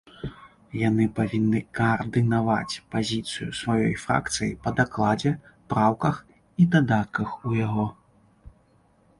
Яны павінны каардынаваць пазіцыю сваёй фракцыі па дакладзе, праўках і дадатках у яго.